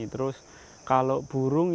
terus kalau burung ya